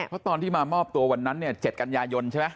เพราะตอนที่มามอบตัววันนั้นเนี่ย๗กันยายนใช่ไหม